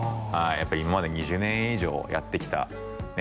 やっぱり今まで２０年以上やってきたね